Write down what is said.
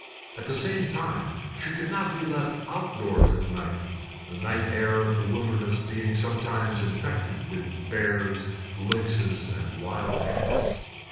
At the same time she could not be left outdoors at night, the night air of the wilderness being sometimes infected with bears, lynxes, and wild cats.